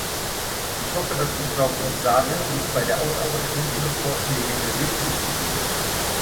Ich hoffe, dass die Frau Kommissarin dies bei der Ausarbeitung ihrer Vorschläge berücksichtigen wird.